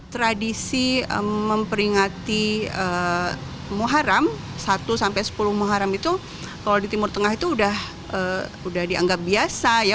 tradisi memperingati muharram satu sampai sepuluh muharram itu kalau di timur tengah itu sudah dianggap biasa